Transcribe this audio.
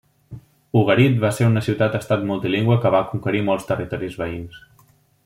Ugarit va ser una ciutat-estat multilingüe que va conquerir molts territoris veïns.